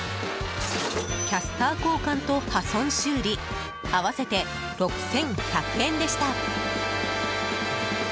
キャスター交換と破損修理合わせて６１００円でした。